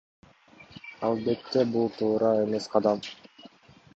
Албетте, бул туура эмес кадам.